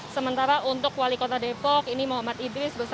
sementara untuk wali kota depok ini muhammad idris